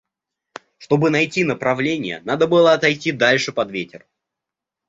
Чтобы найти направление, надо было отойти дальше под ветер.